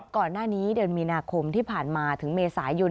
ก่อนหน้านี้เดือนมีนาคมที่ผ่านมาถึงเมษายน